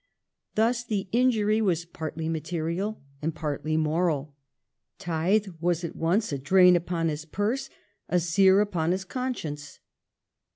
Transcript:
Thus the injury was partly material, and partly moral. " Tithe " was at once a drain upon his purse, a sear upon his con science.